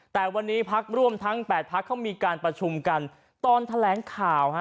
แต่วันนี้พักร่วมทั้ง๘พักเขามีการประชุมกันตอนแถลงข่าวฮะ